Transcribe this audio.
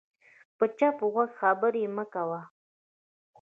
په چپ غوږ خبرې مه کوه